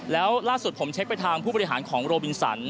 แล้วล่าสุดผมเช็คไปทางผู้บริหารของโรบินสัน